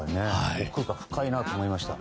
とにかく深いなと思いました。